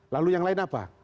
lalu yang lain apa